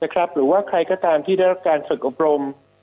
หรือว่าใครก็ตามที่ได้รับการฝึกอบรม